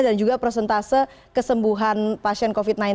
dan juga persentase kesembuhan pasien covid sembilan belas